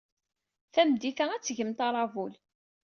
Tameddit-a, ad d-tgemt aṛabul.